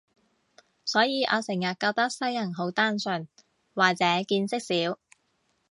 所以我成日覺得西人好單純，或者見識少